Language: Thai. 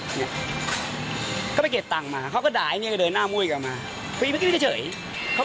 เขาก็ไปเก็บตังก์มาเขาก็ด่าไอเนี้ยกะเด่นหน้าม้วยกลับมา